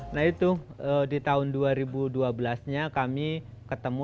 nah itu di tahun dua ribu dua belas nya kami ketemu